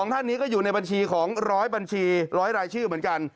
ท่านนี้ก็อยู่ในบัญชีของ๑๐๐บัญชี๑๐๐รายชื่อเหมือนกัน